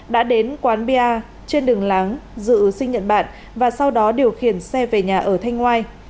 đã đến quán pa trên đường láng giữ sinh nhận bạn và sau đó điều khiển xe về nhà ở thanh ngoài